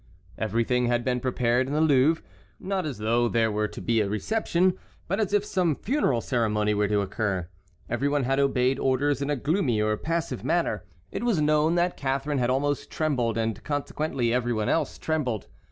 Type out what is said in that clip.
Everything had been prepared in the Louvre, not as though there were to be a reception, but as if some funeral ceremony were to occur. Every one had obeyed orders in a gloomy or passive manner. It was known that Catharine had almost trembled, and consequently every one else trembled.